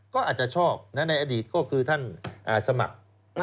ก็อาจจะชอบในอดีตก็คือท่านสมัคร